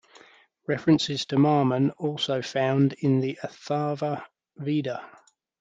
References to marman also found in the "Atharva Veda".